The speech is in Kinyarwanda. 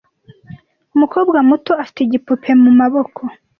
Umukobwa muto afite igipupe mumaboko.